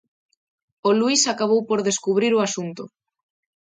O Luís acabou por descubrir o asunto.